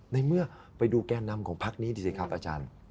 ในเมื่อไปดูแก่นำของพักนี้ดูสิครับอาจารย์